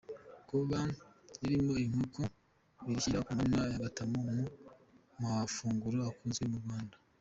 Kuba ririmo inkoko birishyira ku mwanya wa Gatanu mu mafunguro akunzwe mu Rwanda.